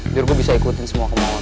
biar gue bisa ikutin semua kemauan